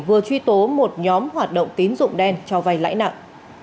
vừa truy tố một nhóm hoạt động tín dụng đen cho vay lãi nặng